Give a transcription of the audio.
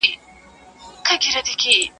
جګړو ملتونه کمزوري کړل